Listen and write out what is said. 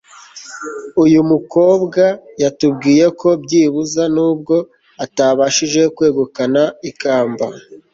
uyu mukobwa yatubwiye ko byibuza nubwo atabashije kwegukana ikamba